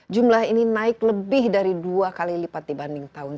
jumlah ini naik lebih dari dua kali lipat dibanding tahun